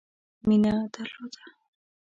مینه درلوده.